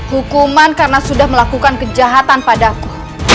hukuman karena sudah melakukan kejahatan padaku